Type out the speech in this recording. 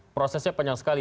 prosesnya panjang sekali